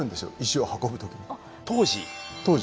当時？